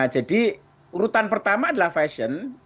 jadi urutan pertama adalah fashion